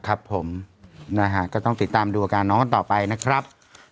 ครับผมนะฮะก็ต้องติดตามดูอาการน้องกันต่อไปนะครับ